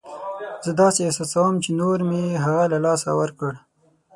زه داسې احساسوم چې نور مې هغه له لاسه ورکړ.